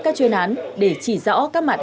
các chuyên án để chỉ rõ các mặt